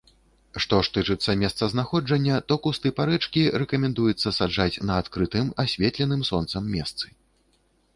Што ж тычыцца месцазнаходжання, то кусты парэчкі рэкамендуецца саджаць на адкрытым, асветленым сонцам месцы.